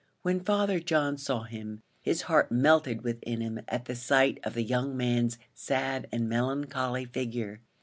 When Father John saw him, his heart melted within him at the sight of the young man's sad and melancholy figure.